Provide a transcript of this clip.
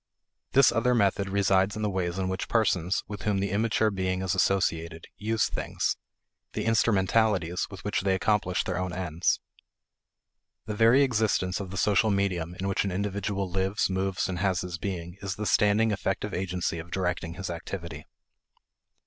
This other method resides in the ways in which persons, with whom the immature being is associated, use things; the instrumentalities with which they accomplish their own ends. The very existence of the social medium in which an individual lives, moves, and has his being is the standing effective agency of directing his activity.